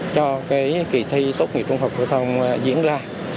cho cái kỳ thi tốt nghiệp trung học phổ thông diễn ra